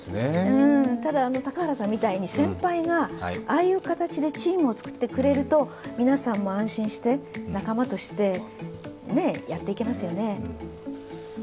ただ、高原さんみたいに先輩がああいう形でチームを作ってくれると皆さんも安心して仲間としてやっていけますよね。